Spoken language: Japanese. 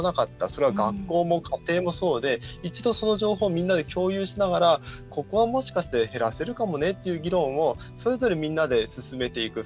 それは学校も家庭もそうで一度その情報をみんなで共有しながらここは、もしかして減らせるかもねっていう議論をそれぞれ、みんなで進めていく。